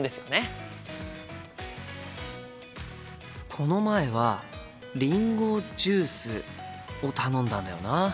この前はりんごジュースを頼んだんだよな。